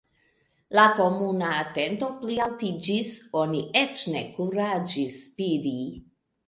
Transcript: La komuna atento plialtiĝis; oni eĉ ne kuraĝis spiri.